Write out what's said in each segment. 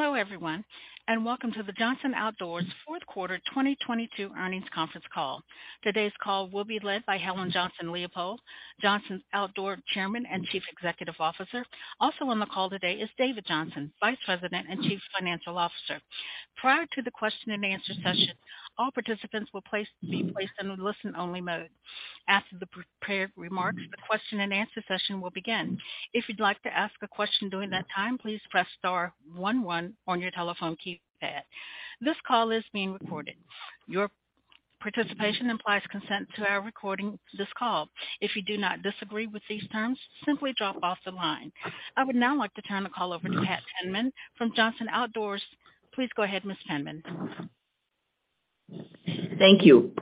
Hello, everyone, welcome to the Johnson Outdoors Q4 2022 earnings conference call. Today's call will be led by Helen Johnson-Leipold, Johnson Outdoors Chairman and Chief Executive Officer. Also on the call today is David Johnson, Vice President and Chief Financial Officer. Prior to the question and answer session, all participants will be placed in a listen-only mode. After the prepared remarks, the question and answer session will begin. If you'd like to ask a question during that time, please press star one one on your telephone keypad. This call is being recorded. Your participation implies consent to our recording this call. If you do not disagree with these terms, simply drop off the line. I would now like to turn the call over to Pat Penman from Johnson Outdoors. Please go ahead, Ms. Penman. Thank you.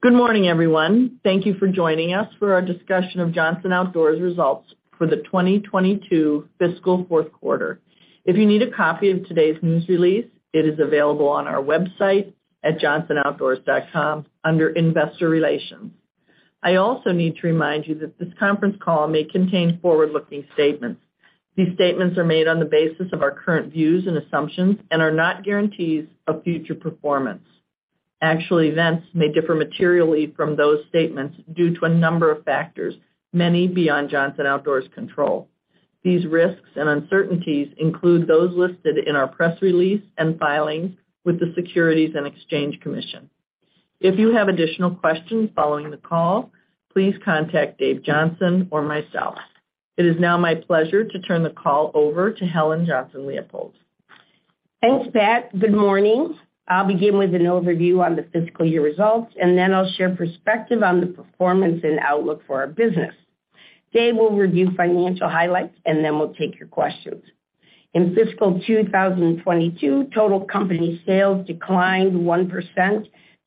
Good morning, everyone. Thank you for joining us for our discussion of Johnson Outdoors results for the 2022 fiscal Q4. If you need a copy of today's news release, it is available on our website at johnsonoutdoors.com under Investor Relations. I also need to remind you that this conference call may contain forward-looking statements. These statements are made on the basis of our current views and assumptions and are not guarantees of future performance. Actual events may differ materially from those statements due to a number of factors, many beyond Johnson Outdoors' control. These risks and uncertainties include those listed in our press release and filings with the Securities and Exchange Commission. If you have additional questions following the call, please contact Dave Johnson or myself. It is now my pleasure to turn the call over to Helen Johnson-Leipold. Thanks, Pat. Good morning. I'll begin with an overview on the fiscal year results. Then I'll share perspective on the performance and outlook for our business. Dave will review financial highlights. Then we'll take your questions. In fiscal 2022, total company sales declined 1%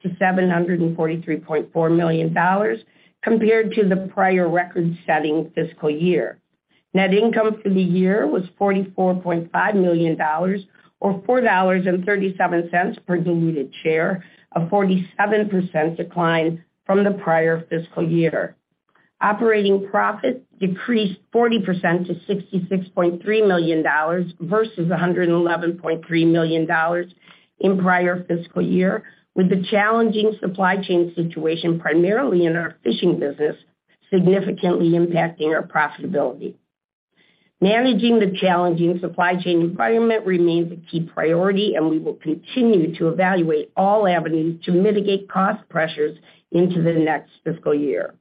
to $743.4 million compared to the prior record-setting fiscal year. Net income for the year was $44.5 million, or $4.37 per diluted share, a 47% decline from the prior fiscal year. Operating profit decreased 40% to $66.3 million versus $111.3 million in prior fiscal year, with the challenging supply chain situation primarily in our fishing business significantly impacting our profitability. Managing the challenging supply chain environment remains a key priority, and we will continue to evaluate all avenues to mitigate cost pressures into the next fiscal year.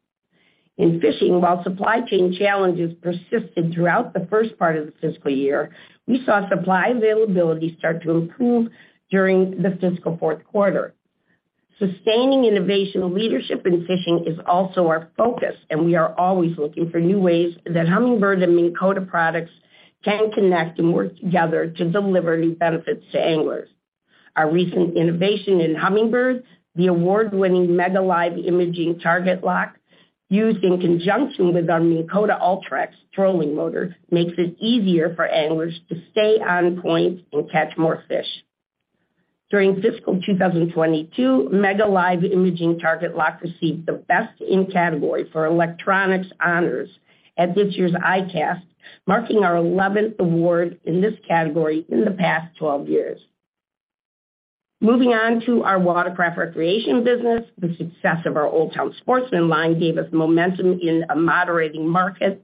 In fishing, while supply chain challenges persisted throughout the first part of the fiscal year, we saw supply availability start to improve during the fiscal Q4. Sustaining innovation leadership in fishing is also our focus, and we are always looking for new ways that Humminbird and Minn Kota products can connect and work together to deliver new benefits to anglers. Our recent innovation in Humminbird, the award-winning MEGA Live Imaging TargetLock, used in conjunction with our Minn Kota Ultrex trolling motor, makes it easier for anglers to stay on point and catch more fish. During fiscal 2022, MEGA Live Imaging TargetLock received the best in category for electronics honors at this year's ICAST, marking our 11th award in this category in the past 12 years. Moving on to our watercraft recreation business. The success of our Old Town Sportsman line gave us momentum in a moderating market.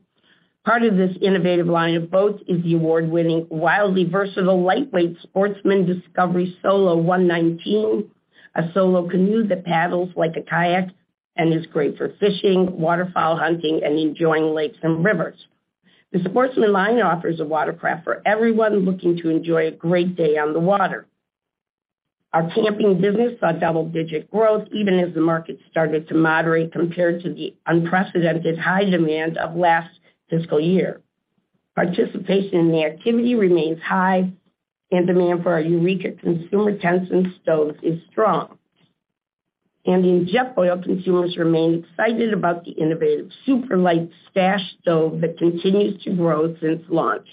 Part of this innovative line of boats is the award-winning, wildly versatile, lightweight Sportsman Discovery Solo 119, a solo canoe that paddles like a kayak and is great for fishing, waterfowl hunting, and enjoying lakes and rivers. The Sportsman line offers a watercraft for everyone looking to enjoy a great day on the water. Our camping business saw double-digit growth even as the market started to moderate compared to the unprecedented high demand of last fiscal year. Participation in the activity remains high and demand for our Eureka! consumer tents and stoves is strong. The Jetboil consumers remain excited about the innovative SuperLight Stash stove that continues to grow since launch.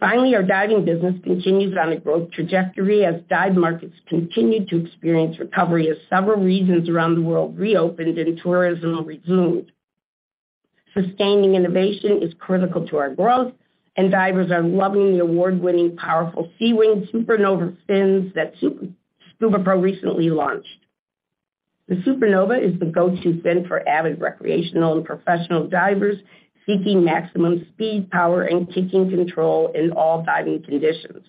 Finally, our diving business continues on a growth trajectory as dive markets continued to experience recovery as several regions around the world reopened and tourism resumed. Sustaining innovation is critical to our growth, and divers are loving the award-winning powerful Seawing Supernova fins that SCUBAPRO recently launched. The Supernova is the go-to fin for avid recreational and professional divers seeking maximum speed, power, and kicking control in all diving conditions.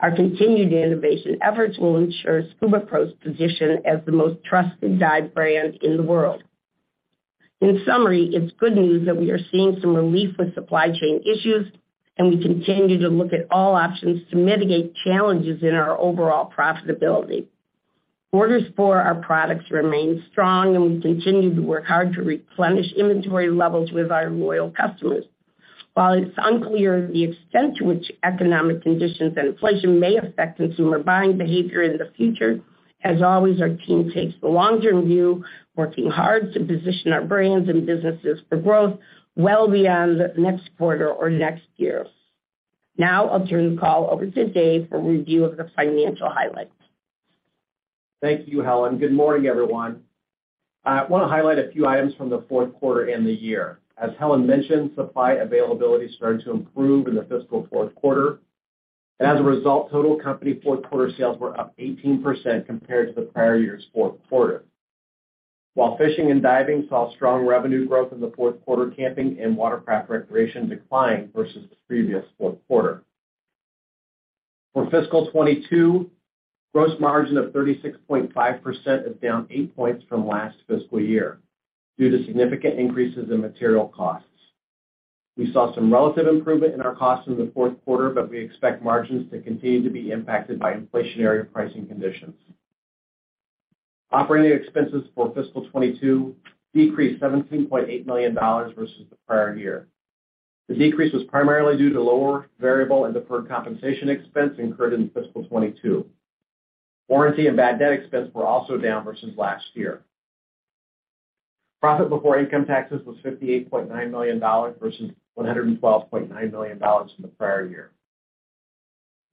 Our continued innovation efforts will ensure SCUBAPRO's position as the most trusted dive brand in the world. In summary, it's good news that we are seeing some relief with supply chain issues, and we continue to look at all options to mitigate challenges in our overall profitability. Orders for our products remain strong, and we continue to work hard to replenish inventory levels with our loyal customers. While it's unclear the extent to which economic conditions and inflation may affect consumer buying behavior in the future, as always, our team takes the long-term view, working hard to position our brands and businesses for growth well beyond next quarter or next year. Now I'll turn the call over to David Johnson for a review of the financial highlights. Thank you, Helen. Good morning, everyone. I want to highlight a few items from the Q4 and the year. As Helen mentioned, supply availability started to improve in the fiscal Q4, and as a result, total company Q4 sales were up 18% compared to the prior year's Q4. While fishing and diving saw strong revenue growth in the Q4, camping and watercraft recreation declined versus the previous Q4. For fiscal 2022, gross margin of 36.5% is down 8 points from last fiscal year due to significant increases in material costs. We saw some relative improvement in our costs in the Q4, but we expect margins to continue to be impacted by inflationary pricing conditions. Operating expenses for fiscal 2022 decreased $17.8 million versus the prior year. The decrease was primarily due to lower variable and deferred compensation expense incurred in fiscal 2022. Warranty and bad debt expense were also down versus last year. Profit before income taxes was $58.9 million versus $112.9 million from the prior year.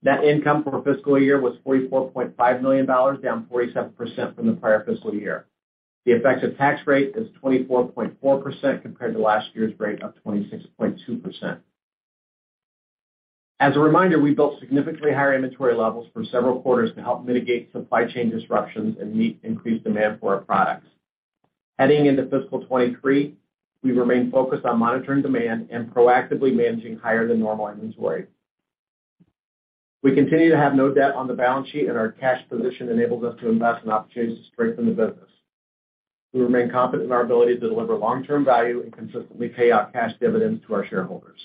Net income for fiscal year was $44.5 million, down 47% from the prior fiscal year. The effective tax rate is 24.4% compared to last year's rate of 26.2%. As a reminder, we built significantly higher inventory levels for several quarters to help mitigate supply chain disruptions and meet increased demand for our products. Heading into fiscal 2023, we remain focused on monitoring demand and proactively managing higher than normal inventory. We continue to have no debt on the balance sheet. Our cash position enables us to invest in opportunities to strengthen the business. We remain confident in our ability to deliver long-term value and consistently pay out cash dividends to our shareholders.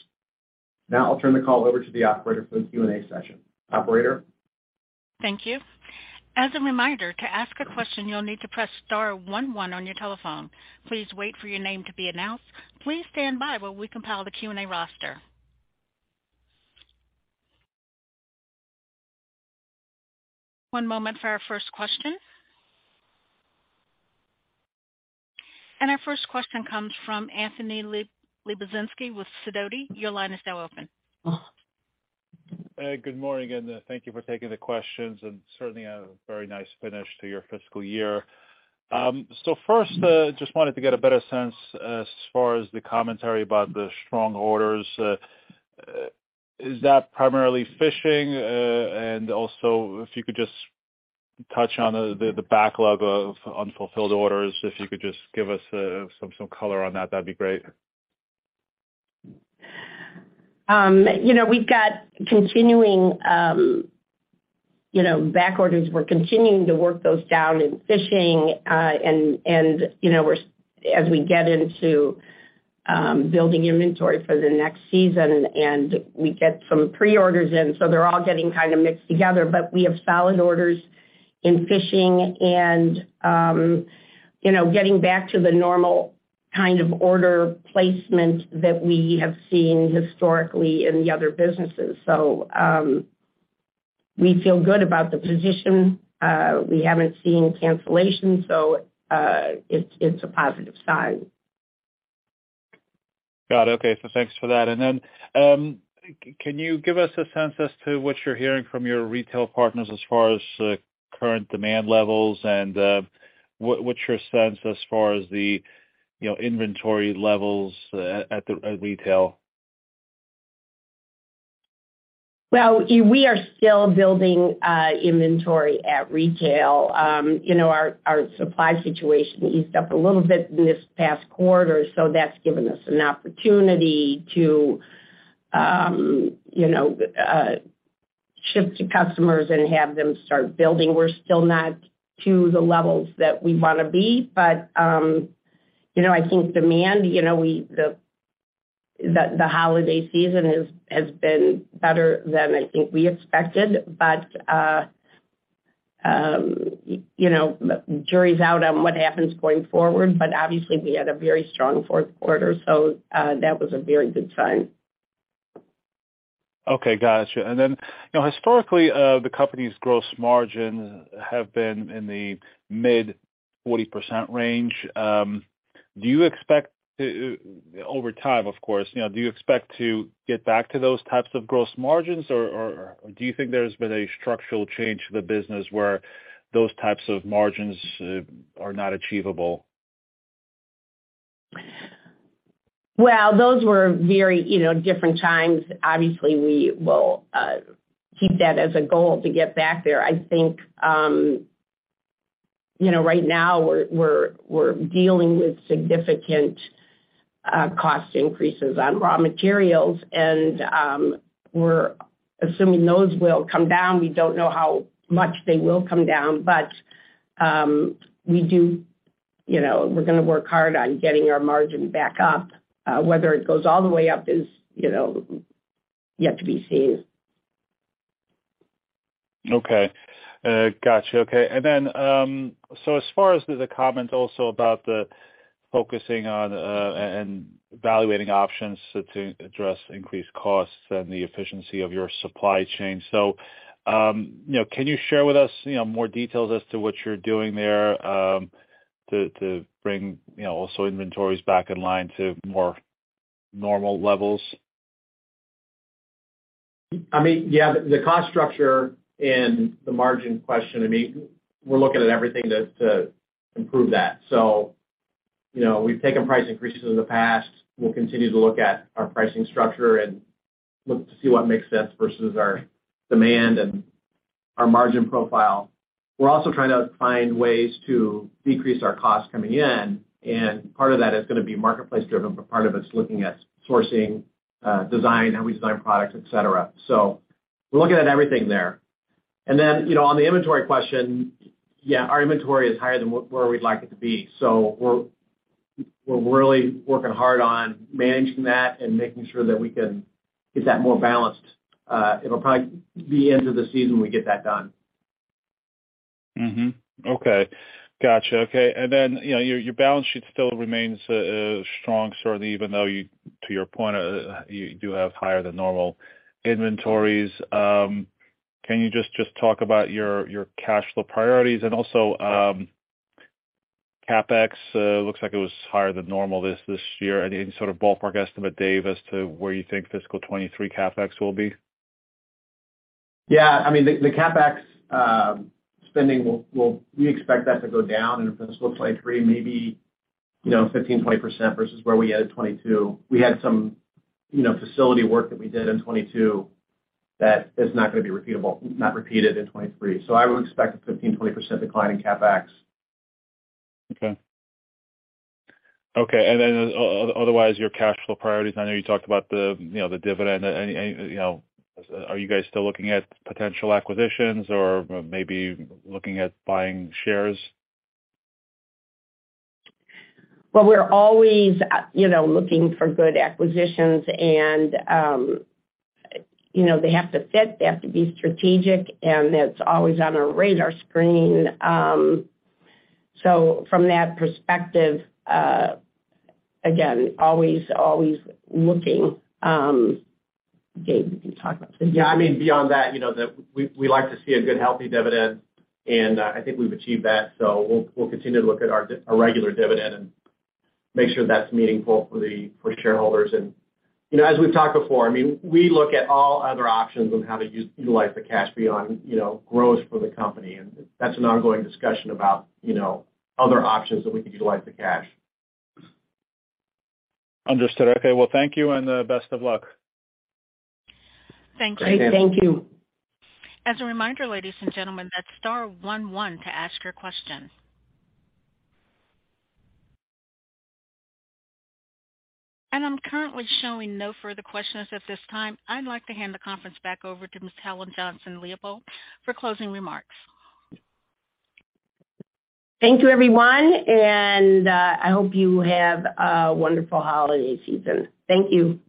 Now I'll turn the call over to the operator for the Q&A session. Operator? Thank you. As a reminder, to ask a question, you'll need to press star one one on your telephone. Please wait for your name to be announced. Please stand by while we compile the Q&A roster. One moment for our first question. Our first question comes from Anthony Lebiedzinski with Sidoti. Your line is now open. and thank you for taking the questions, and certainly a very nice finish to your fiscal year. First, just wanted to get a better sense as far as the commentary about the strong orders. Is that primarily fishing? And also if you could just touch on the backlog of unfulfilled orders. If you could just give us some color on that would be great You know, we've got continuing, you know, back orders. We're continuing to work those down in fishing. You know, as we get into building inventory for the next season, and we get some pre-orders in, so they're all getting kind of mixed together. We have solid orders in fishing and, you know, getting back to the normal kind of order placement that we have seen historically in the other businesses. We feel good about the position. We haven't seen cancellations, so, it's a positive sign. Got it. Okay. Thanks for that. Can you give us a sense as to what you're hearing from your retail partners as far as current demand levels and what's your sense as far as the, you know, inventory levels at retail? Well, we are still building inventory at retail. You know, our supply situation eased up a little bit in this past quarter, so that's given us an opportunity to, you know, ship to customers and have them start building. We're still not to the levels that we wanna be, but, you know, I think demand, you know, the holiday season has been better than I think we expected. Jury's out on what happens going forward. Obviously we had a very strong Q4, that was a very good sign. Okay. Gotcha. Then, you know, historically, the company's gross margin have been in the mid 40% range. Do you expect, over time, of course, you know, do you expect to get back to those types of gross margins? Or do you think there's been a structural change to the business where those types of margins are not achievable? Well, those were very, you know, different times. Obviously, we will keep that as a goal to get back there. I think, you know, right now we're dealing with significant cost increases on raw materials. We're assuming those will come down. We don't know how much they will come down, but, you know, we're gonna work hard on getting our margin back up. Whether it goes all the way up is, you know, yet to be seen. Okay. gotcha. Okay. As far as there's a comment also about the focusing on and evaluating options to address increased costs and the efficiency of your supply chain. You know, can you share with us, you know, more details as to what you're doing there to bring, you know, also inventories back in line to more normal levels? I mean, yeah, the cost structure and the margin question, I mean, we're looking at everything to improve that. You know, we've taken price increases in the past. We'll continue to look at our pricing structure and look to see what makes sense versus our demand and our margin profile. We're also trying to find ways to decrease our cost coming in, and part of that is gonna be marketplace-driven, but part of it's looking at sourcing, design, how we design products, et cetera. We're looking at everything there. Then, you know, on the inventory question, yeah, our inventory is higher than where we'd like it to be. We're really working hard on managing that and making sure that we can get that more balanced. It'll probably be end of the season we get that done. Okay. Gotcha. Okay. Then, you know, your balance sheet still remains strong, certainly even though you, to your point, you do have higher than normal inventories. Can you just talk about your cash flow priorities and also, CapEx looks like it was higher than normal this year. Any sort of ballpark estimate, Dave, as to where you think fiscal 2023 CapEx will be? I mean, the CapEx spending we expect that to go down in fiscal 2023, maybe, you know, 15%-20% versus where we ended 2022. We had some, you know, facility work that we did in 2022 that is not gonna be repeatable, not repeated in 2023. I would expect a 15%-20% decline in CapEx. Okay. Okay. otherwise, your cash flow priorities, I know you talked about the, you know, the dividend. Any, you know, are you guys still looking at potential acquisitions or maybe looking at buying shares? We're always, you know, looking for good acquisitions and, you know, they have to fit, they have to be strategic, and that's always on our radar screen. From that perspective, again, always looking. Dave, you can talk about the dividend. Yeah, I mean, beyond that, you know, we like to see a good, healthy dividend, and I think we've achieved that, so we'll continue to look at our a regular dividend and make sure that's meaningful for the shareholders. You know, as we've talked before, I mean, we look at all other options on how to utilize the cash beyond, you know, growth for the company, and that's an ongoing discussion about, you know, other options that we could utilize the cash. Understood. Okay. Well, thank you and best of luck. Thank you. Great. Thank you. As a reminder, ladies and gentlemen, that's star one one to ask your question. I'm currently showing no further questions at this time. I'd like to hand the conference back over to Ms. Helen Johnson-Leipold for closing remarks. Thank you, everyone, and, I hope you have a wonderful holiday season. Thank you.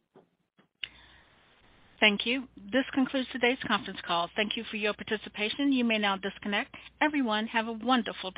Thank you. This concludes today's conference call. Thank you for your participation. You may now disconnect. Everyone, have a wonderful day.